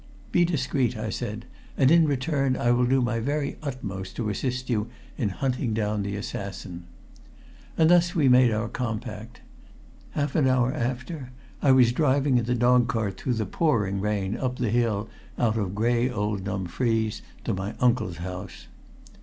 "Be discreet," I said. "And in return I will do my very utmost to assist you in hunting down the assassin." And thus we made our compact. Half an hour after I was driving in the dog cart through the pouring rain up the hill out of gray old Dumfries to my uncle's house.